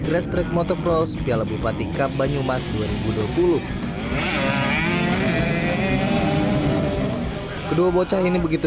grass track motocros piala bupati kap banyumas dua ribu dua puluh kedua bocah ini begitu